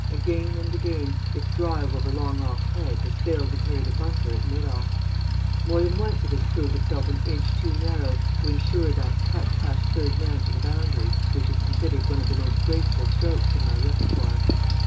Again and again its drive over long off's head has failed to carry the bunker at mid off. More than once it has proved itself an inch too narrow to ensure that cut past third man to the boundary which is considered one of the most graceful strokes in my repertoire.